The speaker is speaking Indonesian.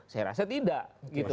saya rasa tidak gitu